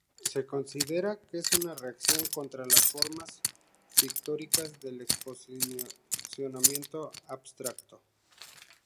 Se considera que es una reacción contra las formas pictóricas del expresionismo abstracto.